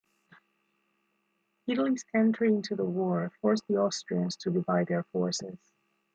Italy's entry into the war forced the Austrians to divide their forces.